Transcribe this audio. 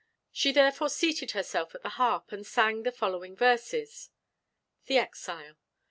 She therefore seated herself at the harp, and sang the following verses; THE EXILE.